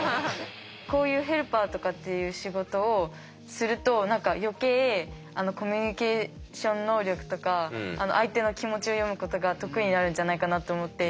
こういうヘルパーとかっていう仕事をすると何か余計コミュニケーション能力とか相手の気持ちを読むことが得意になるんじゃないかなと思って。